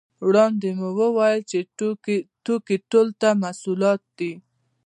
وړاندې مو وویل چې توکي ټول هغه محصولات دي